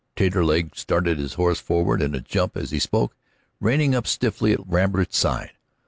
Taterleg started his horse forward in a jump as he spoke, reining up stiffly at Lambert's side.